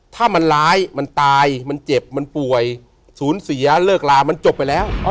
ถ้ามันร้ายมันตายมันเจ็บมันป่วยสูญเสียเลิกลามันจบไปแล้ว